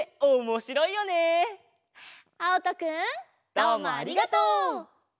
どうもありがとう！